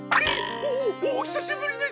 おっおひさしぶりです！